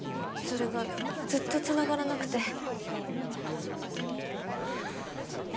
それがずっとつながらなくて。